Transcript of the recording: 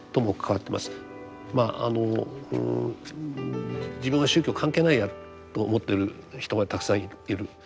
まあ自分は宗教関係ないやと思ってる人がたくさんいる。